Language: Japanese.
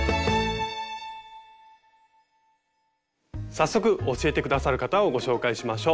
早速教えて下さる方をご紹介しましょう。